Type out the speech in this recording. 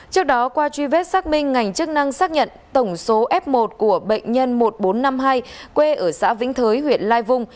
trước đó qua truy vết xác minh ngành chức năng xác nhận tổng số f một của bệnh nhân một nghìn bốn trăm năm mươi hai quê ở xã vĩnh thới huyện lai vung